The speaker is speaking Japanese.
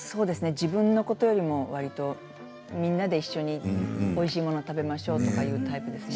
自分のことよりもみんなで一緒においしいものを食べましょって言うタイプですね。